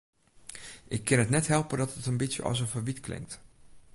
Ik kin it net helpe dat it in bytsje as in ferwyt klinkt.